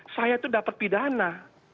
saya itu dapat pidana